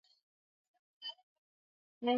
Homa ya mapafu ni ugonjwa